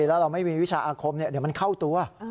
แล้วเราไม่มีวิชาอาคมเดี๋ยวมันเข้าตัว